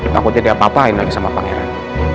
takut jadi apa apain lagi sama pangeran